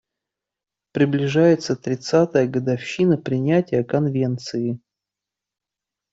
Приближается тридцатая годовщина принятия Конвенции.